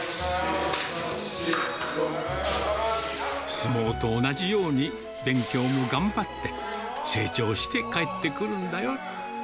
相撲と同じように、勉強も頑張って、成長して帰ってくるんだよ。